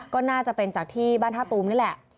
ก็น่าจะเป็นจากที่บ้านท่าตูมนี่แหละ